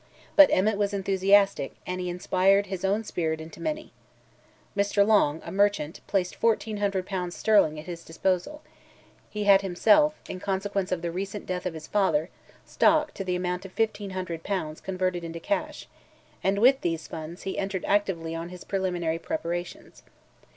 But Emmet was enthusiastic, and he inspired his own spirit into many. Mr. Long, a merchant, placed 1,400 pounds sterling at his disposal; he had himself, in consequence of the recent death of his father, stock to the amount of 1,500 pounds converted into cash, and with these funds he entered actively on his preliminary preparations.